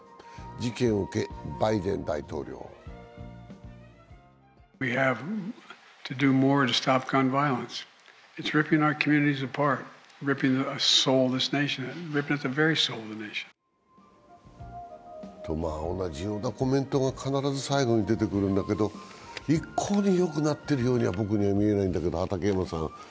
事件を受け、バイデン大統領同じようなコメントが必ず最後に出てくるんだけど、一向に良くなっているようには僕には見えないんだけども。